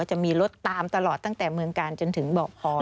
จะมีรถตามตลอดตั้งแต่เมืองกาลจนถึงเบาะพอ